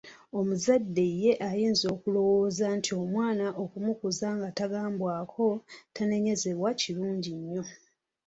Omuzadde ye ayinza okulowooza nti omwana okumukuza nga tagambwako, tanenyezebwa kirungi nyo.